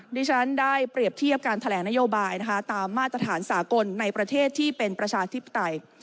ดิฉันได้เปรียบเทียบการแถลงนโยบายนะคะตามมาตรฐานสากลในประเทศที่เป็นประชาธิปไตย